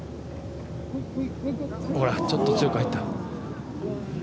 ほら、ちょっと強く入った。